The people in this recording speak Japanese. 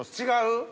違う？